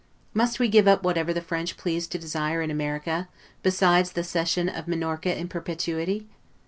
Must we give up whatever the French please to desire in America, besides the cession of Minorca in perpetuity?